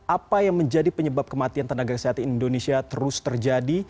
apa yang menjadi penyebab kematian tenaga kesehatan indonesia terus terjadi